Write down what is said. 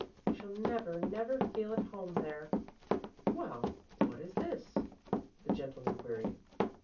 I shall never, never feel at home there!" "Well, what is this?" the gentleman queried.